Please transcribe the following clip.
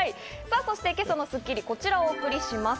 そして今朝の『スッキリ』、こちらをお送りします。